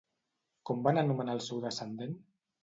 Com van anomenar el seu descendent?